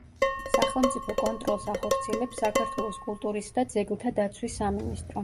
სახელმწიფო კონტროლს ახორციელებს საქართველოს კულტურის და ძეგლთა დაცვის სამინისტრო.